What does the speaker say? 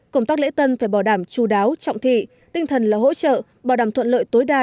công tác lễ tân phải bảo đảm chú đáo trọng thị tinh thần là hỗ trợ bảo đảm thuận lợi tối đa